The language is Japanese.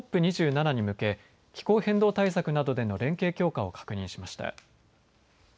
ＣＯＰ２７に向け気候変動対策などでの連携強化を確認しました。